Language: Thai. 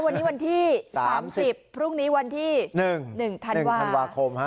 วันนี้วันที่สามสิบพรุ่งนี้วันที่หนึ่งหนึ่งธันวาคมห้า